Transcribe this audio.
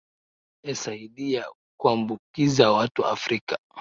esaidia kuambukiza watu afrika